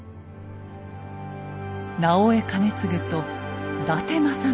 直江兼続と伊達政宗。